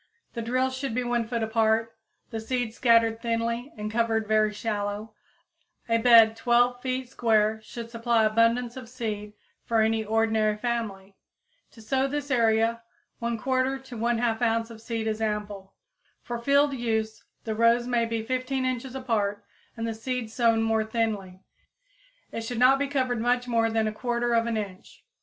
The drills should be 1 foot apart, the seeds scattered thinly and covered very shallow; a bed 12 feet square should supply abundance of seed for any ordinary family. To sow this area 1/4 to 1/2 ounce of seed is ample. For field use the rows may be 15 inches apart and the seed sown more thinly. It should not be covered much more than 1/4 inch.